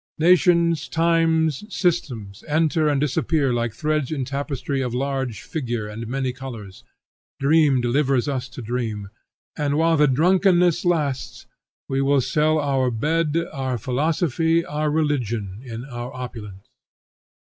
nations, times, systems, enter and disappear like threads in tapestry of large figure and many colors; dream delivers us to dream, and while the drunkenness lasts we will sell our bed, our philosophy, our religion, in our opulence.